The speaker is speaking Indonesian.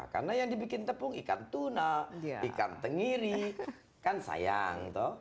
karena yang dibikin tepung ikan tuna ikan tengiri kan sayang